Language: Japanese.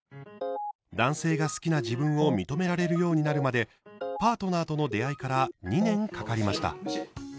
男性が好きな自分を認められるようになるまでパートナーとの出会いから２年かかりました。